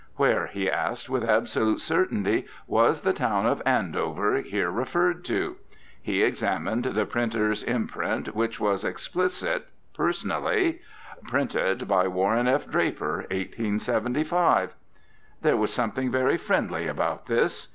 Where, he asked, with absolute certainty, was the town of Andover here referred to? He examined the printer's imprint, which was explicit personally: "Printed by Warren F. Draper, 1875." There was something very friendly about this.